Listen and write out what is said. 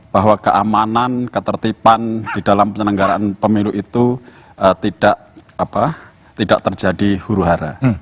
bahwa keamanan ketertiban di dalam penyelenggaraan pemilu itu tidak terjadi huru hara